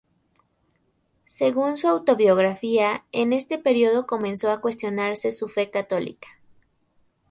Según su autobiografía, en este período comenzó a cuestionarse su fe católica.